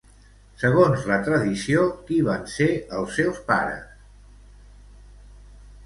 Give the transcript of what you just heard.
Segons la tradició, qui van ser els seus pares?